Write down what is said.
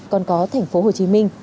còn có thành phố hồ chí minh